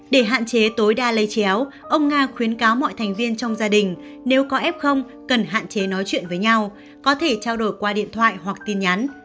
để hạn chế tối đa lây chéo ông nga khuyến cáo mọi thành viên trong gia đình nếu có f cần hạn chế nói chuyện với nhau có thể trao đổi qua điện thoại hoặc tin nhắn